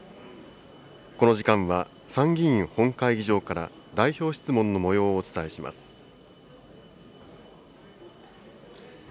この時間は、参議院本会議場から、代表質問のもようをお伝えします。